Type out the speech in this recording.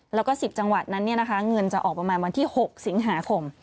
แล้วก็๑๐จังหวัดนั้นเงินจะออกประมาณวันที่๖สิงหาคม